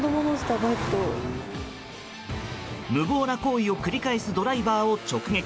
無謀な行為を繰り返すドライバーを直撃。